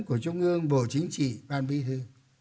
của trung ương bộ chính trị ban bí thư